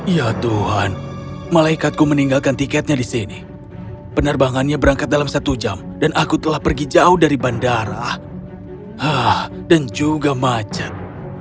ya tuhan malaikatku meninggalkan tiketnya di sini penerbangannya berangkat dalam satu jam dan aku telah pergi jauh dari bandara dan juga macet